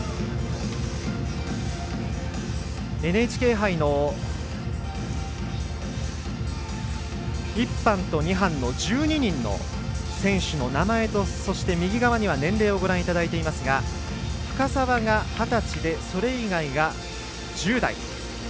ＮＨＫ杯の１班と２班の１２人の選手の名前と年齢をご覧いただいていますが深沢が二十歳でそれ以外が１０代。